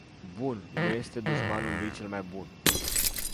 Bun nu este dușmanul lui cel mai bun.